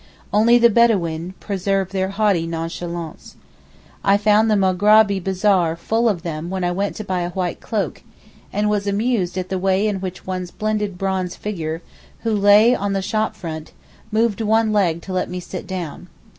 Only the Bedaween preserve their haughty nonchalance. I found the Mograbee bazaar full of them when I went to buy a white cloak, and was amused at the way in which one splendid bronze figure, who lay on the shop front, moved one leg to let me sit down.